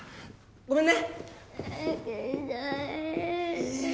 ごめんね！